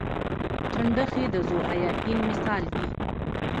چنډخې د ذوحیاتین مثال دی